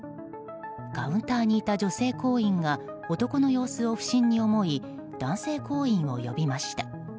カウンターにいた女性行員が男の様子を不審に思い男性行員を呼びました。